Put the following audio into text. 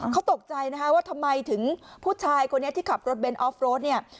เขาตกใจนะคะว่าทำไมถึงผู้ชายคนนี้ที่ขับรถเบนทออฟโรดเนี่ย